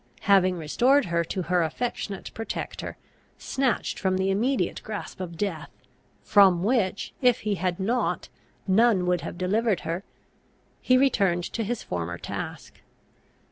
Having restored her to her affectionate protector, snatched from the immediate grasp of death, from which, if he had not, none would have delivered her, he returned to his former task.